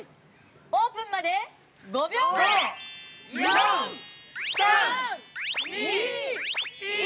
オープンまで、５秒前、４、３、２、１。